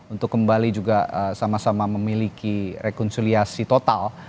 untuk kembali juga sama sama memiliki rekonsiliasi total